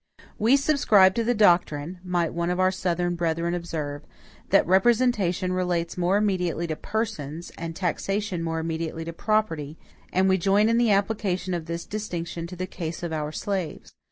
"We subscribe to the doctrine," might one of our Southern brethren observe, "that representation relates more immediately to persons, and taxation more immediately to property, and we join in the application of this distinction to the case of our slaves.